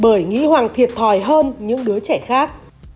bởi nghĩ hoàng thiệt thòi hơn những đứa trẻ khác